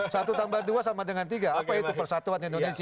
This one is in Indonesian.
satu tambah dua sama dengan tiga apa itu persatuan indonesia